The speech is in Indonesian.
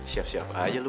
siap siap aja lo